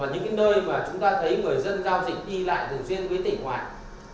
những nơi mà chúng ta thấy người dân giao dịch đi lại thường xuyên với tỉnh ngoài